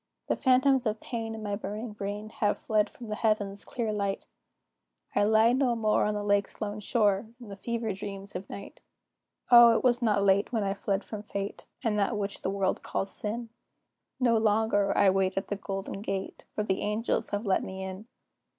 The phantoms of pain in my burning brain Have fled from the Heaven's clear light; I lie no more on the lake's lone shore, In the fever dreams of night. O, it was not late when I fled from fate, And that which the world calls sin; No longer "I wait at the golden gate," For the angels have let me in.